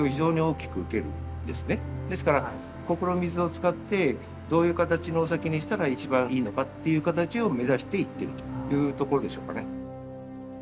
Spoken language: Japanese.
ですからここの水を使ってどういう形のお酒にしたら一番いいのかっていう形を目指していってるというところでしょうかね。